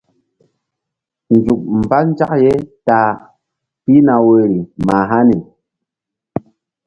Nzuk mba mbaŋ ye ta a pihna woyri mah hani.